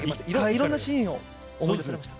いろんなシーンを思い出されました？